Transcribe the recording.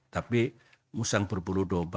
tapi musang berbulu domba